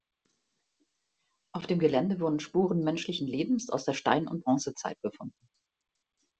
Auf dem Gelände wurden Spuren menschlichen Lebens aus der Stein- und Bronzezeit gefunden.